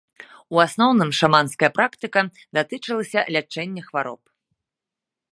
У асноўным шаманская практыка датычылася лячэння хвароб.